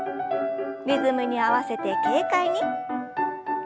リズムに合わせて軽快に。